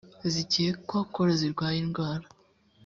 zikekwako zirwaye indwara